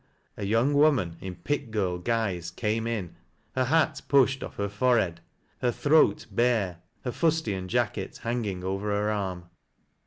" a young woman, in pit girl guise came in, her hat pushed off lier forehead, her throat bare, her fnstian jacket hanging ever her aim.